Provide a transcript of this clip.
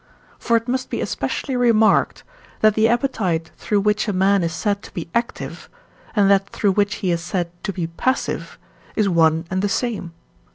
For it must be especially remarked, that the appetite through which a man is said to be active, and that through which he is said to be passive is one and the same.